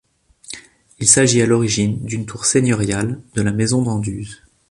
Il s'agit à l'origine d'une tour seigneuriale de la maison d'Anduze.